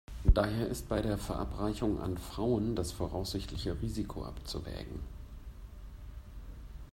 Daher ist bei der Verabreichung an Frauen das voraussichtliche Risiko abzuwägen.